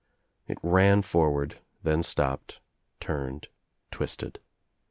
It ran j forward, then stopped, turned, twisted.